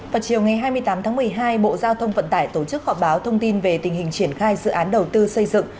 vào chiều ngày hai mươi tám tháng một mươi hai bộ giao thông vận tải tổ chức họp báo thông tin về tình hình triển khai dự án đầu tư xây dựng